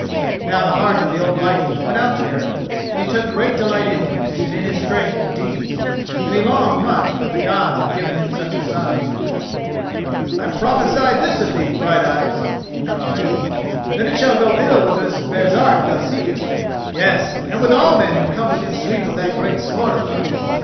Now the heart of the old viking went out to Eric, and he took great delight in him and in his strength and deeds, and he longed much that the Gods had given him such a son. "I prophesy this of thee, Brighteyes," he cried: "that it shall go ill with this Baresark thou seekest—yes, and with all men who come within sweep of that great sword of thine.